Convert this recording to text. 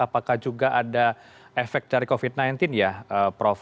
apakah juga ada efek dari covid sembilan belas ya prof